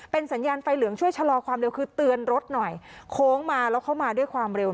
เป็นสัญญาณไฟเหลืองช่วยชะลอความเร็วคือเตือนรถหน่อยโค้งมาแล้วเข้ามาด้วยความเร็ว